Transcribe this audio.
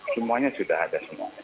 semuanya sudah ada semuanya